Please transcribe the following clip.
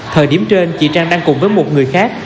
thời điểm trên chị trang đang cùng với một người khác